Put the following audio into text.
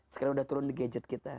sekarang udah turun di gadget kita